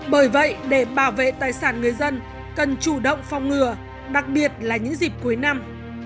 bởi vậy để bảo vệ tài sản người dân cần chủ động phòng ngừa đặc biệt là những dịp cuối năm